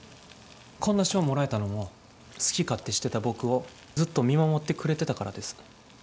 こんな賞もらえたのも好き勝手してた僕をずっと見守ってくれてたからです。